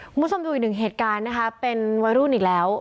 คุณผู้ชมดูอีกหนึ่งเหตุการณ์นะคะเป็นวัยรุ่นอีกแล้ว